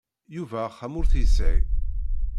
Yuba axxam ur t-yesεi.